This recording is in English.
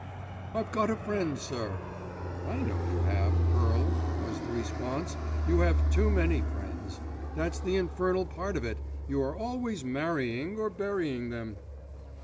"I've got a friend, sir——" "I know you have, Pearl," was the response. "You have too many friends. That's the infernal part of it. You are always marrying or burying them."